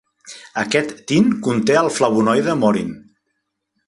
Aquest tint conté el flavonoide morin.